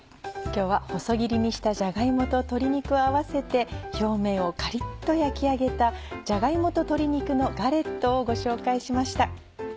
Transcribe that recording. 今日は細切りにしたじゃが芋と鶏肉を合わせて表面をカリっと焼き上げた「じゃが芋と鶏肉のガレット」をご紹介しました。